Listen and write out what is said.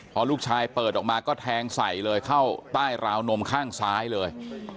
พอลูกชายเปิดออกมาก็แทงใส่เลยเข้าใต้ราวนมข้างซ้ายเลย